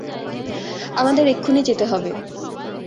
আমাদের এক্ষুনি যেতে হবে।